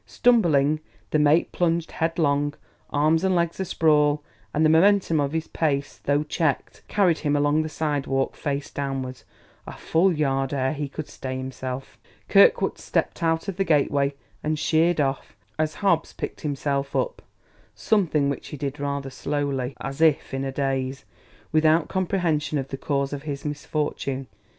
Stumbling, the mate plunged headlong, arms and legs a sprawl; and the momentum of his pace, though checked, carried him along the sidewalk, face downwards, a full yard ere he could stay himself. Kirkwood stepped out of the gateway and sheered off as Hobbs picked himself up; something which he did rather slowly, as if in a daze, without comprehension of the cause of his misfortune.